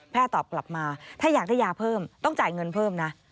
ตอบกลับมาถ้าอยากได้ยาเพิ่มต้องจ่ายเงินเพิ่มนะ